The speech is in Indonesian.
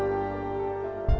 saya tidak tahu